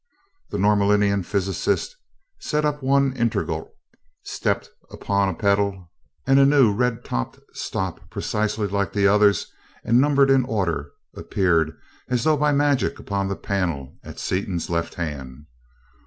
The Norlaminian physicist, set up one integral, stepped upon a pedal, and a new red topped stop precisely like the others and numbered in order, appeared as though by magic upon the panel at Seaton's left hand.